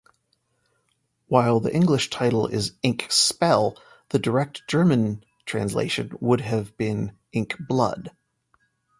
While the English title is ink"spell", the direct German translation would have been ink"blood".